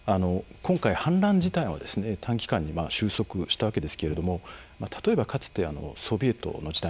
今回、反乱自体は短期間に収束したわけですが例えば、かつてソビエトの時代